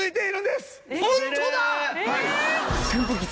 はい。